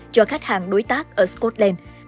cho khách hàng đối tác ở scotland